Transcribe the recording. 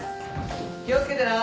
気をつけてな！